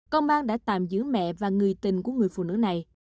công an đã tạm giữ mẹ và người tình của người phụ nữ này